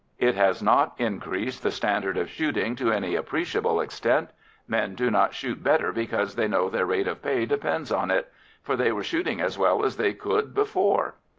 It has not increased the standard of shooting to any appreciable extent; men do not shoot better because they know their rate of pay depends on it, for they were shooting as well as they could before.